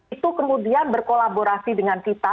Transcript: itu kemudian berkolaborasi dengan kita